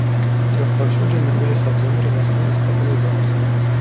Распаўсюджаны ў лесатундры, лясной і стэпавай зонах.